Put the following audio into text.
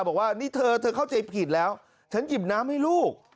บอกว่านี่เธอเธอเข้าใจผิดแล้วฉันหยิบน้ำให้ลูก